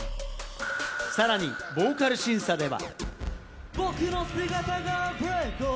さらにボーカル審査では。